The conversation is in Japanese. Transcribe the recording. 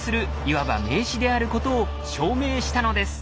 いわば名詞であることを証明したのです。